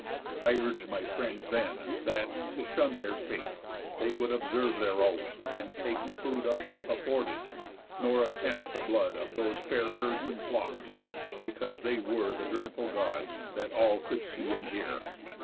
I urg'd my friends then, that, to shun their fate, They would observe their oath, and take the food Our ship afforded, nor attempt the blood Of those fair herds and flocks, because they were The dreadful God's that all could see and hear.